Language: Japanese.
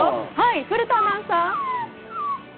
古田アナウンサー。